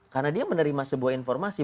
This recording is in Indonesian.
karena dia menerima sebuah informasi